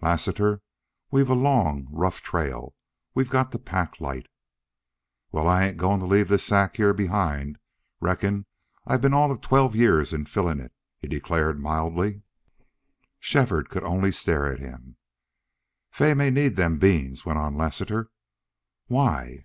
Lassiter, we've a long, rough trail. We've got to pack light " "Wal, I ain't a goin' to leave this here sack behind. Reckon I've been all of twelve years in fillin' it," he declared, mildly. Shefford could only stare at him. "Fay may need them beans," went on Lassiter. "Why?"